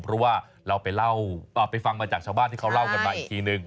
เพราะว่าเราไปเล่าไปฟังมาจากชาวบ้านที่เขาเล่ากันมาอีกทีนึง